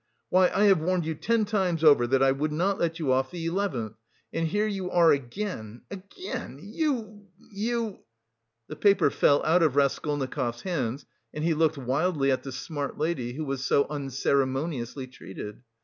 Why, I have warned you ten times over that I would not let you off the eleventh! And here you are again, again, you... you...!" The paper fell out of Raskolnikov's hands, and he looked wildly at the smart lady who was so unceremoniously treated.